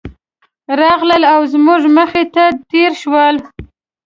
راغلل او زموږ مخې ته تېر شول.